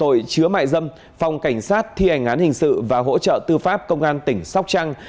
tội chứa mại dâm phòng cảnh sát thi hành án hình sự và hỗ trợ tư pháp công an tỉnh sóc trăng